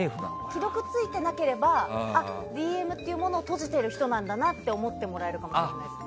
既読ついてなければＤＭというものを閉じている人なんだなと思ってもらえるかもしれないです。